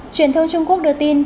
truyền thông trung quốc đưa tin